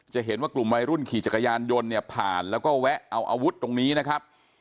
เห็นว่ากลุ่มวัยรุ่นขี่จักรยานยนต์เนี่ยผ่านแล้วก็แวะเอาอาวุธตรงนี้นะครับ